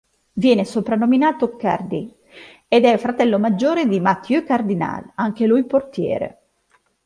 Viene soprannominato "Cardi" ed è fratello maggiore di Mathieu Cardinale, anche lui portiere.